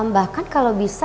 bahkan kalau bisa